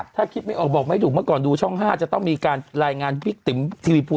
ถ้าคิดไม่ออกบอกไม่ถูกเมื่อก่อนดูช่อง๕จะต้องมีการรายงานพี่ติ๋มทีวีภู